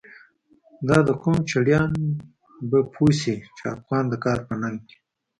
دا د قم چړیان به پوه شی، چی افغان د کار په ننگ کی